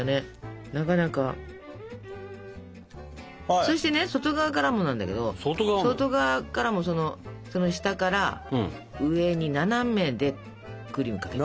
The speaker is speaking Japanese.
そしてね外側からもなんだけど外側からもその下から上に斜めでクリームかけて。